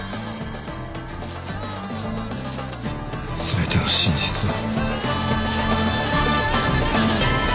全ての真実を。